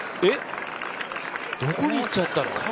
えっ、どこに行っちゃったの？